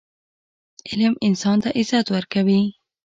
علم انسان ته عزت ورکوي.